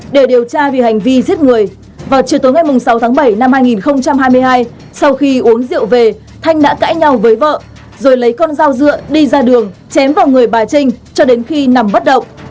từ tối ngày sáu tháng bảy năm hai nghìn hai mươi hai sau khi uống rượu về thanh đã cãi nhau với vợ rồi lấy con dao dựa đi ra đường chém vào người bà trinh cho đến khi nằm bất động